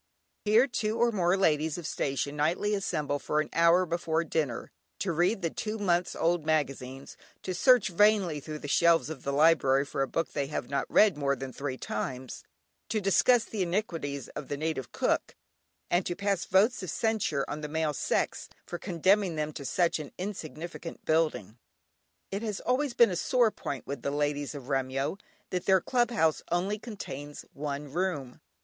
Here two or more ladies of the station nightly assemble for an hour before dinner, to read the two months old magazines, to search vainly through the shelves of the "library" for a book they have not read more than three times, to discuss the iniquities of the native cook, and to pass votes of censure on the male sex for condemning them to such an insignificant building. It has always been a sore point with the ladies of Remyo that their Club House only contains one room.